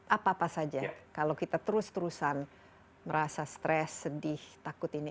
apa apa saja kalau kita terus terusan merasa stres sedih takut ini